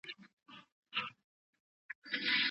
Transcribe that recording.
چا غړومبی